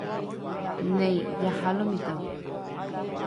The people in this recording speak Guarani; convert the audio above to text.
Néi, jaha lo mitã.